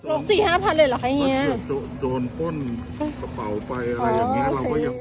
กระเป๋าไปอะไรอย่างนี้